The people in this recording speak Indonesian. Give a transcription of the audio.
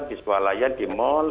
di sekolah layan di mall